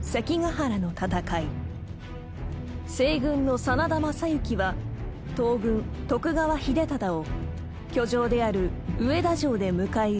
［西軍の真田昌幸は東軍徳川秀忠を居城である上田城で迎え撃ちます］